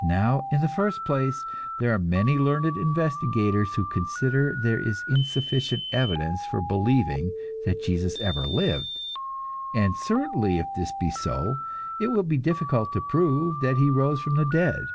Now, in the first place, there are many learned investigators who consider there is insufficient evidence for believing that Jesus ever lived; and certainly if this be so, it will be difficult to prove that he rose from the dead.